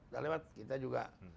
udah lewat kita juga